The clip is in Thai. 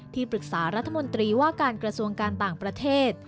ปรึกษารัฐมนตรีว่าการกระทรวงการต่างประเทศ